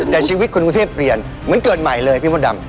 แต่ชีวิตคนกรุงเทพเปลี่ยนเหมือนเกิดใหม่เลยพี่มดดำ